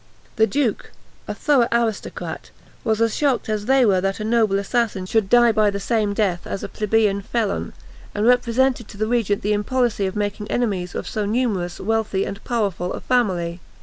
The duke, a thorough aristocrat, was as shocked as they were that a noble assassin should die by the same death as a plebeian felon, and represented to the regent the impolicy of making enemies of so numerous, wealthy, and powerful a family.